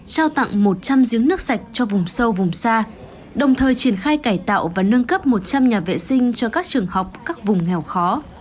trao tặng một trăm linh giếng nước sạch cho vùng sâu vùng xa đồng thời triển khai cải tạo và nâng cấp một trăm linh nhà vệ sinh cho các trường học các vùng nghèo khó